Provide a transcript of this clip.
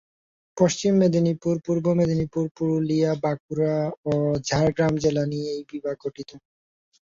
পশ্চিম মেদিনীপুর, পূর্ব মেদিনীপুর, পুরুলিয়া, বাঁকুড়া ও ঝাড়গ্রাম জেলা নিয়ে এই বিভাগ গঠিত।